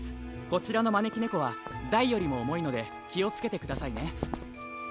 こちらのまねきねこは大よりもおもいのできをつけてくださいね。